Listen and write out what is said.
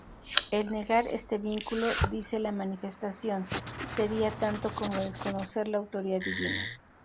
El negar este vínculo, dice la "Manifestación", sería tanto como desconocer la autoridad divina.